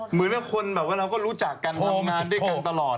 เหมือนกับคนเราก็รู้จักกันทำงานด้วยกันตลอด